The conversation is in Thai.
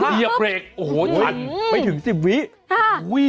เยียบเบรกโอ้โหหันไปถึง๑๐วินาที